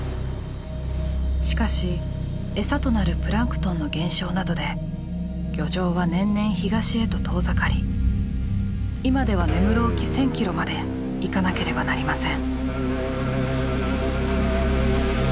しかしエサとなるプランクトンの減少などで漁場は年々東へと遠ざかり今では根室沖１，０００ｋｍまで行かなければなりません。